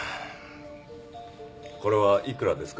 これはいくらですか？